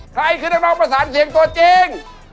ใครคือนักร้องประสานเสียงตัวจริง